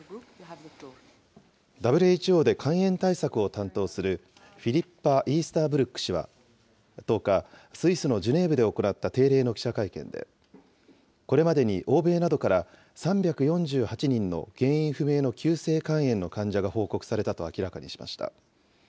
ＷＨＯで肝炎対策を担当する、フィリッパ・イースターブルック氏は１０日、スイスのジュネーブで行った定例の記者会見で、これまでに欧米などから３４８人の原因不明の急性肝炎の患者が報告されたと明らかにしました。